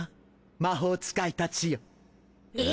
魔法使いたちよえ？